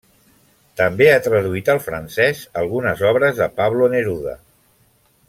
També ha traduït al francès algunes obres de Pablo Neruda.